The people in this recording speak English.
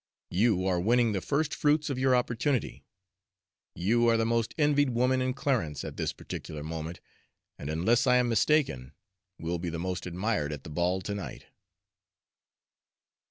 You are winning the first fruits of your opportunity. You are the most envied woman in Clarence at this particular moment, and, unless I am mistaken, will be the most admired at the ball to night."